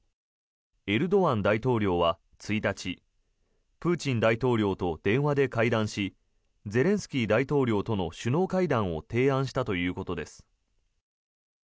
エルドアン大統領は１日プーチン大統領と電話で会談しゼレンスキー大統領との首脳会談を提案したということです。